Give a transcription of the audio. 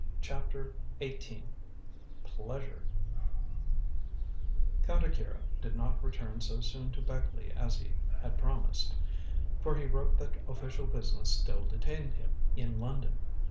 CHAPTER XVIII PLEASURE Count Akira did not return so soon to Beckleigh as he had promised, for he wrote that official business still detained him in London.